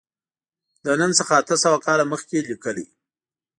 له نن څخه اته سوه کاله مخکې لیکلی.